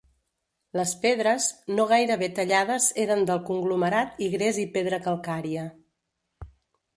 Les pedres, no gairebé tallades eren del conglomerat i gres i pedra calcària.